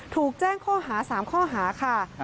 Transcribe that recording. ถูกแจ้งข้อหา๓ข้อหาค่ะ